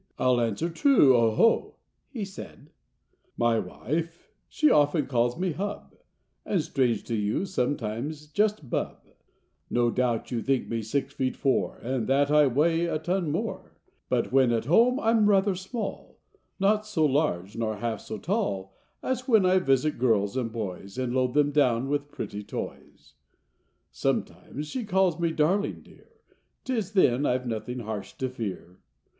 I'll answer true, 0 ho !" he said. Copyrighted, 1897. Y wife, she often calls me hub, ^ And, strange to you, sometimes just bub, No doubt you think me six feet, four, And that I weigh a ton or more, But when at home I'm rather small, Not near so large nor half so tall As when I visit girls and boys And load them down with pretty toys." r '' Vx . J '•^ >A'>>JiA I' Vr 7:««ink Copyrighted I8i*7 OMETIMES she calls me darling, dear, Tis then I've nothing harsh to fear.